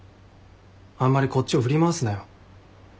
あんまりこっちを振り回すなよ。